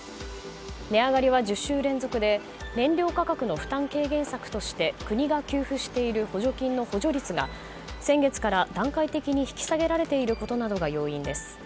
値上がりは１０週連続で燃料価格の負担軽減策として国が給付している補助金の補助率が先月から段階的に引き下げられていることなどが要因です。